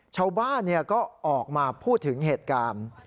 ชาวบ้านก็ออกมาพูดถึงเหตุการณ์